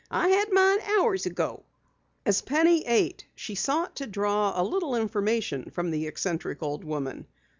"I had mine hours ago." As Penny ate, she sought to draw a little information from the eccentric old woman.